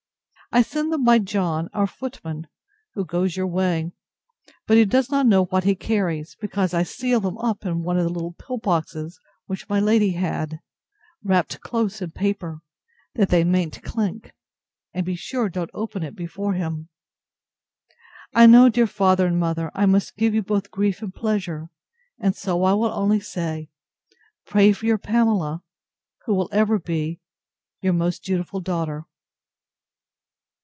I send them by John, our footman, who goes your way: but he does not know what he carries; because I seal them up in one of the little pill boxes, which my lady had, wrapt close in paper, that they mayn't chink; and be sure don't open it before him. I know, dear father and mother, I must give you both grief and pleasure; and so I will only say, Pray for your Pamela; who will ever be Your most dutiful DAUGHTER.